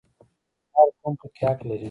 هر قوم پکې حق لري